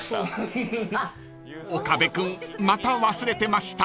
［岡部君また忘れてました］